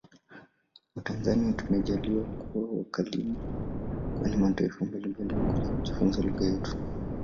Watanzania tumejaliwa kuwa wakalimu kwani mataifa mbalimbali wanakuja kujifunza lugja yetu